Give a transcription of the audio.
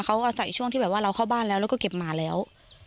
เขาอาศัยช่วงที่แบบว่าเราเข้าบ้านแล้วแล้วก็เก็บหมาแล้ว